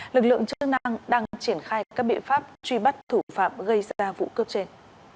lực lượng chức năng đang triển khai các biện pháp truy bắt thủ phạm gây ra vụ cướp trên